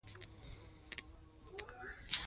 له تهران څخه ولاړ سي.